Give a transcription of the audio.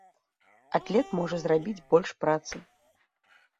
Атлет можа зрабіць больш працы.